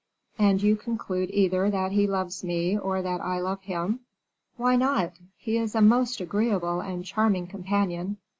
"And you conclude either that he loves me, or that I love him?" "Why not? he is a most agreeable and charming companion.